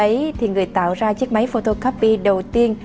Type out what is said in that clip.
những ý tưởng đầu tiên